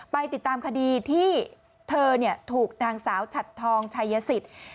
ไปติดตามคดีที่เธอถูกนางสาวฉัดทองชัยสิทธิ์